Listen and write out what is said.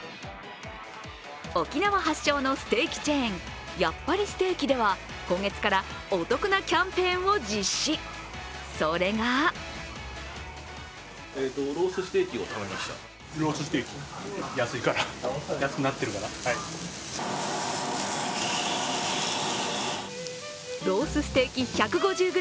沖縄発祥のステーキチェーン、やっぱりステーキでは今月からお得なキャンペーンを実施、それがロースステーキ１５０ｇ